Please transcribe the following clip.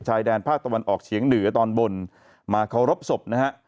ชายแดนภาคตะวันออกเฉียงเหนือตอนบนมาเคารพศพนะฮะ